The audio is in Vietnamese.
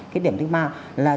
cái điểm thứ ba là